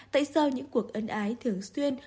tại sao những cuộc ân ái thường xuyên